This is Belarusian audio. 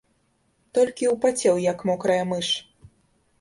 Толькі ўпацеў, як мокрая мыш.